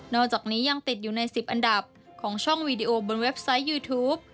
อกจากนี้ยังติดอยู่ใน๑๐อันดับของช่องวีดีโอบนเว็บไซต์ยูทูป